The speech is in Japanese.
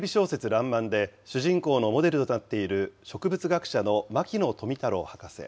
らんまんで、主人公のモデルとなっている、植物学者の牧野富太郎博士。